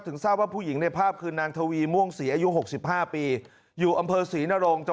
ทราบว่าผู้หญิงในภาพคือนางทวีม่วงศรีอายุ๖๕ปีอยู่อำเภอศรีนรง